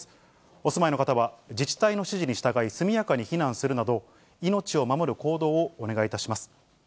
お住まいの方は自治体の指示に従い、速やかに避難するなど、命を守る行動をお願いいたします。